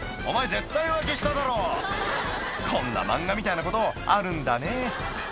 絶対浮気しただろこんな漫画みたいなことあるんだね